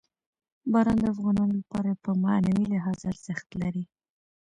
باران د افغانانو لپاره په معنوي لحاظ ارزښت لري.